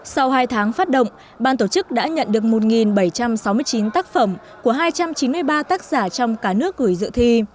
sau hai tháng phát động ban tổ chức đã nhận được một bảy trăm sáu mươi chín tác phẩm của hai trăm chín mươi ba tác giả trong cả nước gửi dự thi